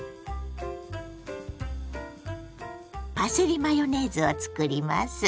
パセリマヨネーズを作ります。